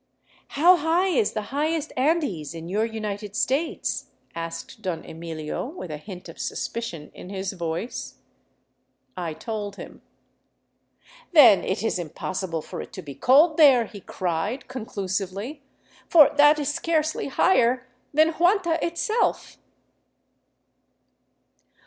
How high is the highest Andes in your United States ?" asked Don Emilio, with a hint of suspicion in his voice. I told him. " Then it is impossible for it to be cold there," he cried, conclusively, " for that is scarcely higher than Huanta itself."